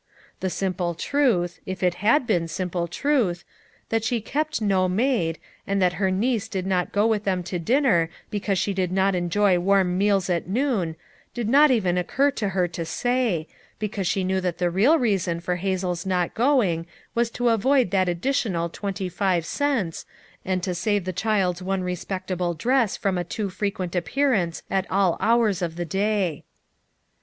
The simple truth — if it had been simple truth — that she kept no maid, and that her niece did not go with them to dinner because she did not enjoy warm meals at noon, did not even occur to her to say, because she knew that the real reason for Hazel's not going was to avoid that additional twenty five cents, and to save the child's one respectable dress from a FOUR MOTHERS AT CHAUTAUQUA 115 too frequent appearance at all hours of the day.